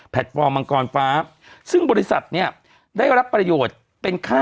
ฟอร์มมังกรฟ้าซึ่งบริษัทเนี่ยได้รับประโยชน์เป็นค่า